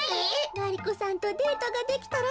ガリ子さんとデートができたら。